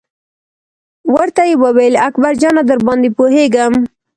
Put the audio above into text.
ورته یې وویل: اکبر جانه درباندې پوهېږم.